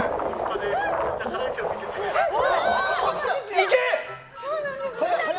いけ！